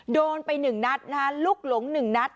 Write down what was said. โดนไปหนึ่งนัดนะฮะลุกหลงหนึ่งนัด